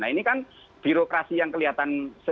nah ini kan birokrasi yang kelihatan